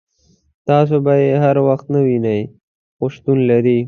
تاسو به یې هر وخت نه وینئ خو شتون لري.